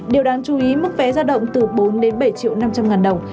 điều đáng chú ý mức vé gia động từ bốn bảy triệu năm trăm linh ngàn đồng